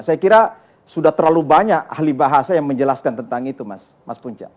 saya kira sudah terlalu banyak ahli bahasa yang menjelaskan tentang itu mas punca